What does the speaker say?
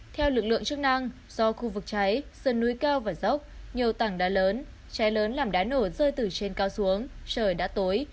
theo lực lượng chức năng do khu vực cháy sườn núi cao và dốc nhiều tảng đá lớn cháy lớn làm đái nổ rơi từ trên cao xuống trời đã tối